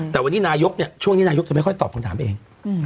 แต่วันนี้นายกเนี่ยช่วงนี้นายกจะไม่ค่อยตอบคำถามเอง